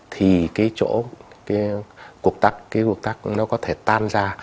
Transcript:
thì cái chỗ cái cục tắc nó có thể tan ra